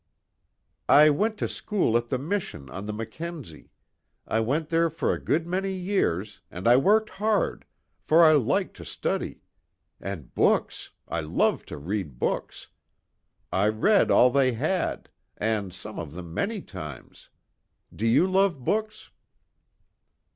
"I went to school at the mission on the Mackenzie. I went there for a good many years, and I worked hard, for I like to study. And books! I love to read books. I read all they had, and some of them many times. Do you love books?"